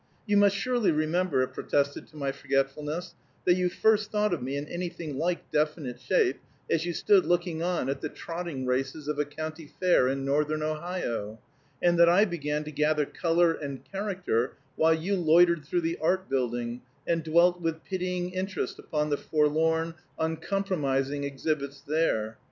"You must surely remember," it protested to my forgetfulness, "that you first thought of me in anything like definite shape as you stood looking on at the trotting races of a county fair in Northern Ohio, and that I began to gather color and character while you loitered through the art building, and dwelt with pitying interest upon the forlorn, unpromising exhibits there.